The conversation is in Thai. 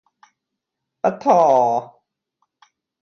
ปั๊ดธ่อ